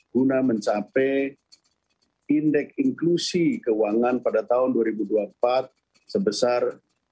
guna mencapai indeks inklusi keuangan pada tahun dua ribu dua puluh empat sebesar